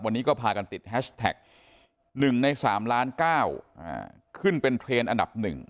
วันนี้ก็พากันติดแฮชแท็ก๑ใน๓ล้าน๙ขึ้นเป็นเทรนด์อันดับ๑